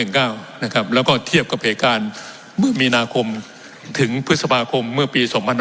แล้วก็เทียบกับเหตุการณ์เมื่อมีนาคมถึงพฤษภาคมเมื่อปี๒๕๖๒